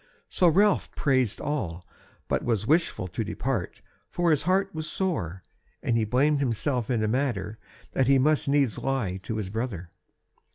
So Ralph praised all, but was wishful to depart, for his heart was sore, and he blamed himself in a manner that he must needs lie to his brother.